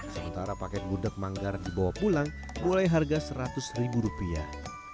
sementara paket gudeg manggar dibawa pulang mulai harga seratus ribu rupiah